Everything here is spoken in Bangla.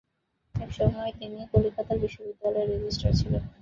একসময়ে তিনি কলিকাতা বিশ্ববিদ্যালয়ের রেজিষ্ট্রার ছিলেন।